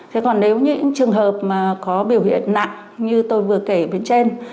thế còn nếu như những trường hợp mà có biểu hiện nặng như tôi vừa kể bên trên